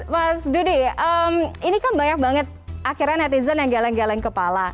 mas dudi ini kan banyak banget akhirnya netizen yang geleng geleng kepala